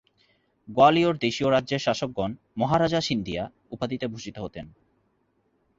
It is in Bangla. গোয়ালিয়র দেশীয় রাজ্যের শাসকগণ "মহারাজা সিন্ধিয়া" উপাধিতে ভূষিত হতেন।